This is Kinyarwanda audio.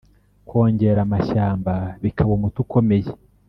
kongera amashyamba bikaba umuti ukomeye